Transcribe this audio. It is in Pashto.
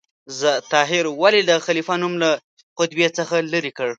طاهر ولې د خلیفه نوم له خطبې څخه لرې کړ؟